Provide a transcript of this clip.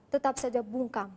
tetap saja bungkam